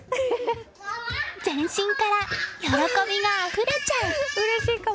全身から喜びがあふれちゃう。